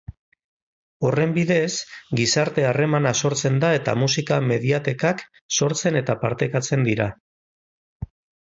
Horren bidez, gizarte-harremana sortzen da eta musika-mediatekak sortzen eta partekatzen dira.